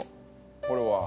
これは？